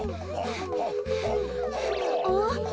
あっ？